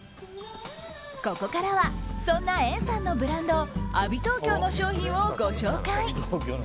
ここからはそんなエンさんのブランドアビトーキョーの商品をご紹介。